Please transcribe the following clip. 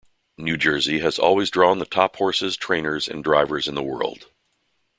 New Jersey has always drawn the top horses, trainers, and drivers in the world.